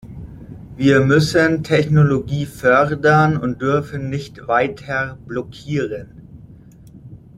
Wir müssen Technologie fördern und dürfen nicht weiter blockieren.